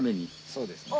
そうですね。